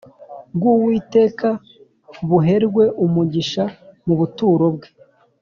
bw Uwiteka buherwe umugisha mu buturo bwe